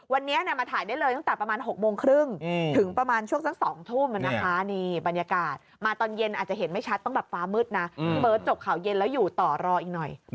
วันนี้มาถ่ายได้เลยตั้งแต่ประมาณ๖โมงครึ่งถึงประมาณช่วงสัก๒ทุ่มนะคะนี่บรรยากาศมาตอนเย็นอาจจะเห็นไม่ชัดต้องแบบฟ้ามืดนะพี่เบิร์ตจบข่าวเย็นแล้วอยู่ต่อรออีกหน่อย